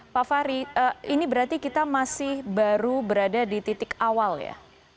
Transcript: pak fahri ini berarti kita masih baru berada di titik awal ya